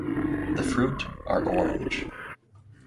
The fruit are orange.